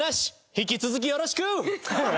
引き続きよろしく！